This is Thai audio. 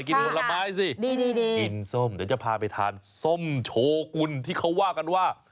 กินผลไม้สิกินส้มเดี๋ยวจะพาไปทานส้มโชกุลที่เขาว่ากันว่า